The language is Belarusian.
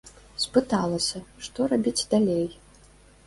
Спыталася, што рабіць далей?